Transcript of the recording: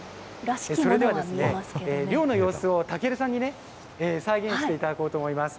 それでは、漁の様子を武さんに再現していただこうと思います。